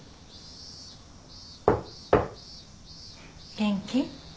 ・元気？